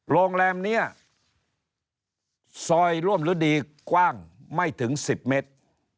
โรงแรมนี้ซอยร่วมฤดีกว้างไม่ถึง๑๐เมตร